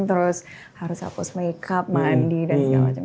terus harus hapus makeup mandi dan segala macam